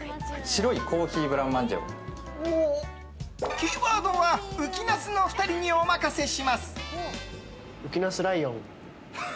キーワードはうきなすの２人にお任せします。